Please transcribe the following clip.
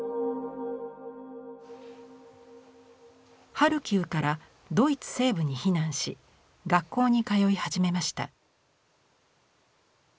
ハルキウからドイツ西部に避難し学校に通い始めました。